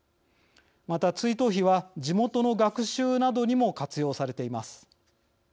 また、追悼碑は地元の学習などにも活用されています。